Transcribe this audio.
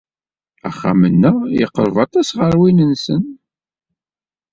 Axxam-nteɣ yeqreb aṭas ɣer win-nsen.